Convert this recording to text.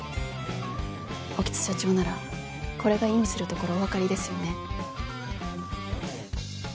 興津社長ならこれが意味するところお分かりですよね